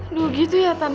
aduh gitu ya tante